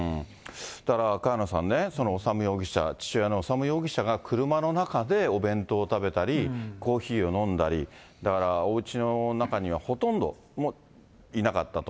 だから萱野さんね、修容疑者、父親の修容疑者が、車の中でお弁当を食べたり、コーヒーを飲んだり、だからおうちの中には、ほとんどいなかったと。